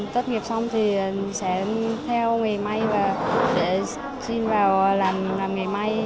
tất nghiệp xong thì sẽ theo nghề may và để xin vào làm nghề may